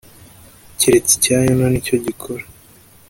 keretse icya Yona nicyo gikora